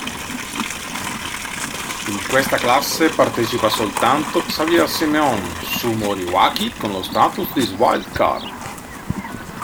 In questo classe partecipa soltanto Xavier Siméon su Moriwaki con lo status di wildcard.